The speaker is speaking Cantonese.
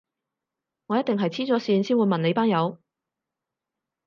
我一定係痴咗線先會問你班友